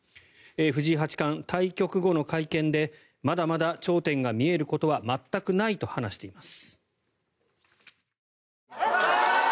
藤井八冠、対局後の会見でまだまだ頂点が見えることは全くないと話しています。